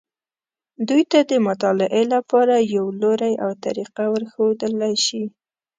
دوی ته د مطالعې لپاره یو لوری او طریقه ورښودلی شي.